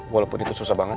walaupun itu susah banget